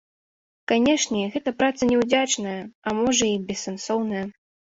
Канешне, гэта праца няўдзячная, а можа і бессэнсоўная.